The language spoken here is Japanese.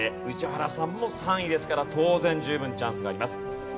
宇治原さんも３位ですから当然十分チャンスがあります。